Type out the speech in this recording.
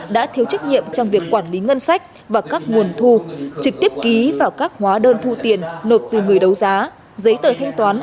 đã thiếu trách nhiệm trong việc quản lý ngân sách và các nguồn thu trực tiếp ký vào các hóa đơn thu tiền nộp từ người đấu giá giấy tờ thanh toán